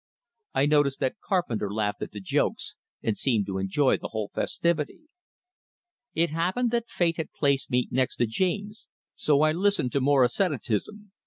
I noticed that Carpenter laughed at the jokes, and seemed to enjoy the whole festivity. It happened that fate had placed me next to James, so I listened to more asceticism.